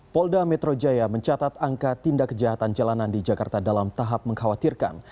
polda metro jaya mencatat angka tindak kejahatan jalanan di jakarta dalam tahap mengkhawatirkan